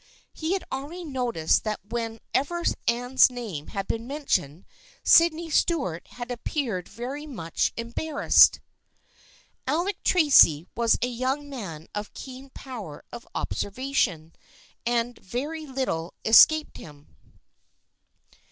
He had noticed already that when ever Anne's name had been mentioned Sydney Stuart had appeared very much embarrassed. Alec Tracy was a young man of keen power of ob servation, and very little escaped him.